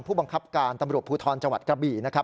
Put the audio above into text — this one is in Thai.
ผู้บังคับการตำรวจภูทรจังหวัดกระบี่นะครับ